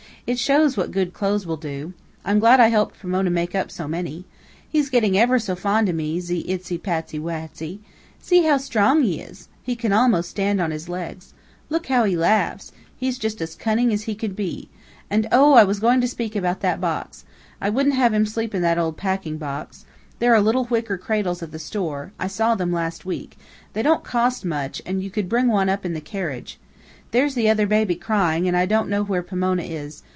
"It shows what good clothes will do. I'm glad I helped Pomona make up so many. He's getting ever so fond of me, ze itty Patsy, watsy! See how strong he is! He can almost stand on his legs! Look how he laughs! He's just as cunning as he can be. And oh! I was going to speak about that box. I wouldn't have him sleep in that old packing box. There are little wicker cradles at the store I saw them last week they don't cost much, and you could bring one up in the carriage. There's the other baby, crying, and I don't know where Pomona is.